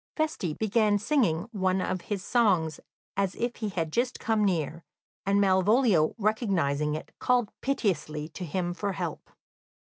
Feste began singing one of his songs, as if he had just come near, and Malvolio, recognising it, called piteously to him for help.